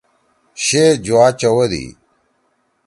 شے جُوا چوَدی۔